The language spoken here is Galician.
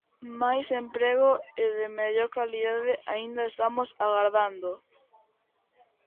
Máis emprego e de mellor calidade; aínda estamos agardando.